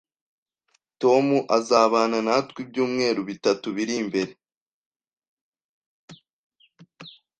Tom azabana natwe ibyumweru bitatu biri imbere